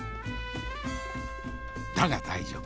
だが大丈夫。